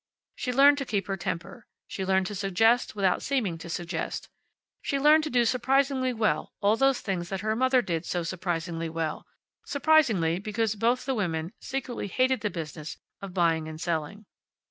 She learned to keep her temper. She learned to suggest without seeming to suggest. She learned to do surprisingly well all those things that her mother did so surprisingly well surprisingly because both the women secretly hated the business of buying and selling.